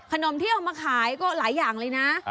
ขนมที่เอามาขายก็หลายอย่างเลยนะ